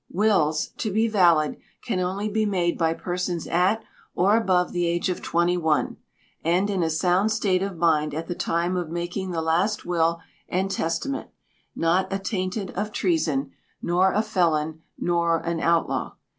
Wills, to be Valid, can only be made by persons at or above the age of twenty one, and in a sound state of mind at the time of making the last will and testament; not attainted of treason; nor a felon; nor an outlaw.